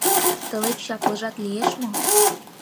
Тылеч чаплыжат лиеш мо?